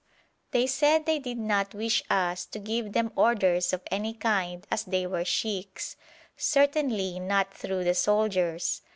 They said they did not wish us to give them orders of any kind as they were sheikhs; certainly not through the soldiers.